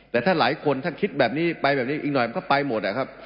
แต่ถ้าหลายคนถ้าคิดแบบนี้ไปแบบนี้อีกหน่อยมันก็ไปหมดนะครับ